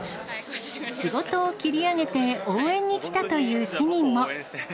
仕事を切り上げて応援に来たという市民も。